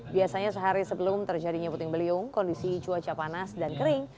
biasanya sehari sebelum terjadinya puting beliung kondisi cuaca panas dan kering